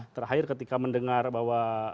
terakhir ketika mendengar bahwa